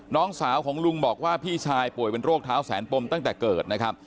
น้องสาวของลุงบอกว่าพี่ชายป่วยเป็นโรคเท้าแสนปมตั้งแต่เกิดนะครับ